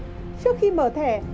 trước khi mở thẻ